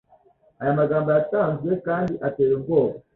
Aya magambo yatanzwe kandi ateye ubwoba.